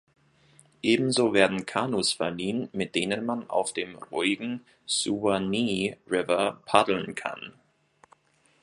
Ebenso werden Kanus verliehen, mit denen man auf dem ruhigen Suwannee River paddeln kann.